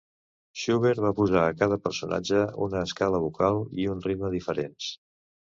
Schubert va posar a cada personatge una escala vocal i un ritme diferents.